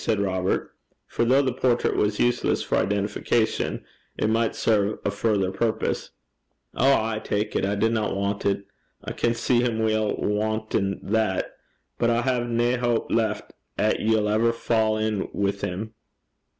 said Robert; for though the portrait was useless for identification, it might serve a further purpose. 'Ow, ay, tak it. I dinna want it. I can see him weel wantin' that. But I hae nae houp left 'at ye'll ever fa' in wi' him.'